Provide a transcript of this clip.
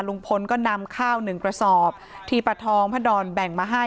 ลุงพลก็นำข้าวหนึ่งกระสอบที่พระทองพระดอนแบ่งมาให้